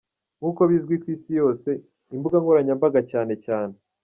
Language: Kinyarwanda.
Nk’uko bizwi ku isi yose, imbuga nkoranyambaga cyane cyane.